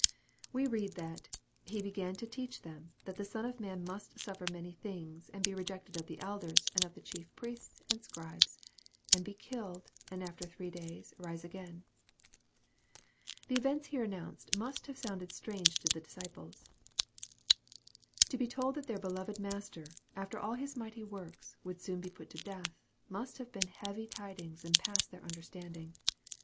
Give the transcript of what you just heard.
We read that '* He began to teach them, that the Son of man must eufter many things, and be rejected of the elders, and oi 166 EXPOSITOR! THOUGHTS. the chief priests, and scribes, and be killed, and after three dayt rise again." The events here announced must have sounded strange to the disciples. To be told that their beloved Master, after all His mighty works, would soon be put to death, must have been heavy tidings and past their understand ing.